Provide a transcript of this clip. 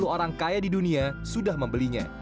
empat puluh orang kaya di dunia sudah membelinya